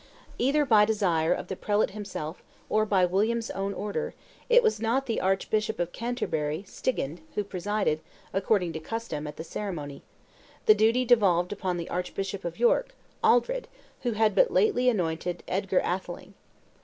Either by desire of the prelate himself or by William's own order, it was not the archbishop of Canterbury, Stigand, who presided, according to custom, at the ceremony; the duty devolved upon the archbishop of York, Aldred, who had but lately anointed Edgar Atheling.